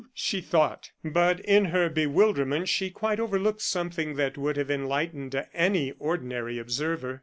she thought. But in her bewilderment she quite overlooked something that would have enlightened any ordinary observer.